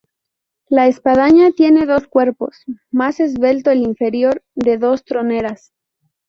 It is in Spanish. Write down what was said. La espadaña tiene dos cuerpos, más esbelto el inferior, de dos troneras.